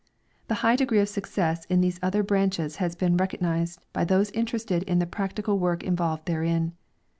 The high degree of success in these other branches has been recog nized by those interested in the practical work involved therein.